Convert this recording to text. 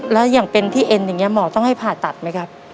แล้วอย่างเป็นที่เอ็นอย่างนี้หมอต้องให้ผ่าตัดไหมครับ